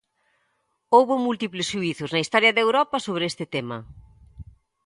Houbo múltiples xuízos na historia de Europa sobre este tema.